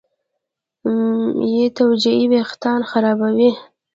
بېتوجهي وېښتيان خرابوي.